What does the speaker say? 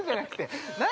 ◆何？